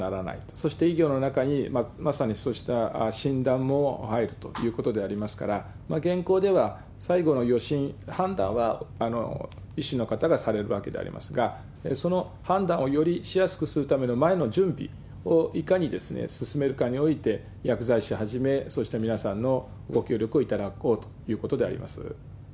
そして医業の中にまさにそうした診断も入るということでありますから、現行では最後の予診、判断は医師の方がされるわけでありますが、その判断をよりしやすくするための前の準備をいかに進めるかにおいて、薬剤師はじめ、そうした皆さんのご協力をいただこうということであります。